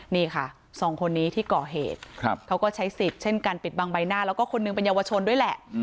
นี่ค่ะสองคนนี้ที่ก่อเหตุเขาก็ใช้สิทธิ์เช่นการปิดบังใบหน้าแล้วก็คนหนึ่งเป็นเยาวชนด้วยแหละ